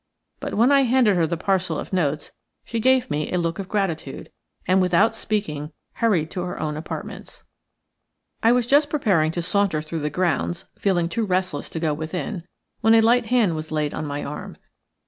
But when I handed her the parcel of notes she gave me a look of gratitude, and without speaking hurried to her own apartments. I was just preparing to saunter through the grounds, feeling too restless to go within, when a light hand was laid on my arm.